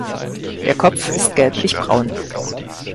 Der Kopf ist gelblichbraun.